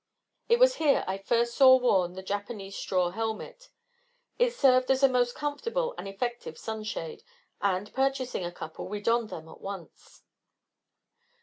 It was here I first saw worn the Japanese straw helmet. It served as a most comfortable and effective sun shade, and purchasing a couple, we donned them at once.